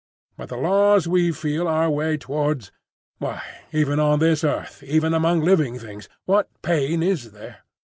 But the laws we feel our way towards—Why, even on this earth, even among living things, what pain is there?"